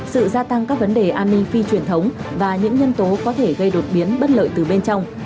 sự gia tăng các vấn đề an ninh phi truyền thống và những nhân tố có thể gây đột biến bất lợi từ bên trong